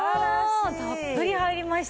おおたっぷり入りました。